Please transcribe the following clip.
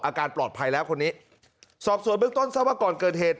อาการปลอดภัยแล้วคนนี้สอบส่วนเบื้องต้นทราบว่าก่อนเกิดเหตุ